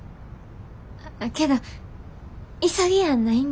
けど急ぎやないんで。